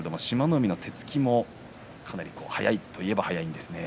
海の手つきもかなり速いといえば速いですね。